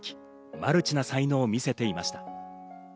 マルチな才能を見せていました。